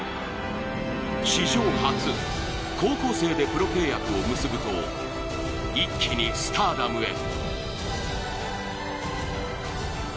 史上初高校生でプロ契約を結ぶと一気にスターダムへ。